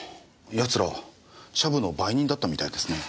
奴らシャブの売人だったみたいですね。